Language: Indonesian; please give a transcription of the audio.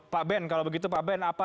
pak ben kalau begitu pak ben apa